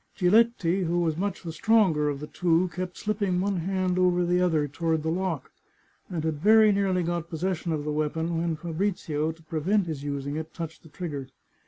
Giletti, who was much the stronger of the two, kept slipping one hand over the other toward the lock, and had very nearly got possession of the weapon when Fa brizio, to prevent his using it, touched the trigger.